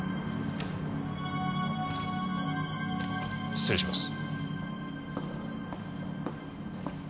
失礼します。